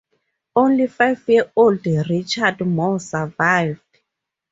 Only five-year-old Richard More survived.